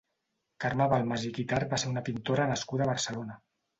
Carme Balmas i Guitart va ser una pintora nascuda a Barcelona.